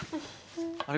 あれ？